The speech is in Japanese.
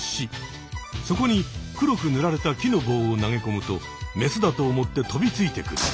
そこに黒くぬられた木の棒を投げこむとメスだと思って飛びついてくる。